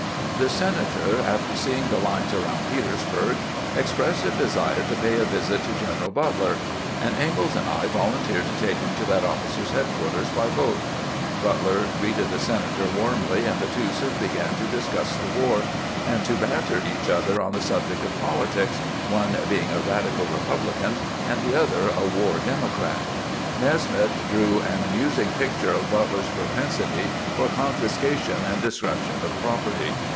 The senator, after seeing the lines around Petersburg, expressed a desire to pay a visit to G eneral Butler, and Ingalls and I volunteered to take him to that officer's headquarters by boat. Butler greeted the senator warmly, and the two soon began to discuss the war, and to banter each other on the subject of politics, one being a radical Republican, and the other a war Demo crat. Nesmith drew an amusing picture of Butler's pro pensity for confiscation and destruction of property.